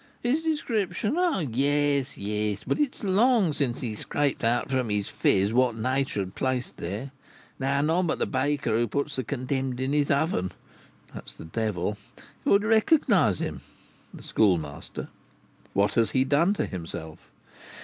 "His description? Oh! yes, yes; but it is long since he has scraped out from his phiz what nature had placed there; now, none but the 'baker who puts the condemned in his oven' (the devil) could recognise him" (the Schoolmaster). "What has he done to himself?"